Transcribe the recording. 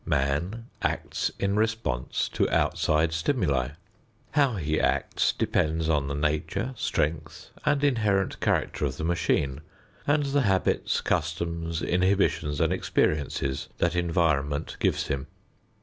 Man acts in response to outside stimuli. How he acts depends on the nature, strength, and inherent character of the machine and the habits, customs, inhibitions and experiences that environment gives him.